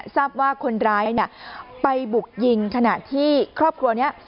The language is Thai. ทราบว่าคนร้ายไปบุกยิงขณะที่ครอบครัวนี้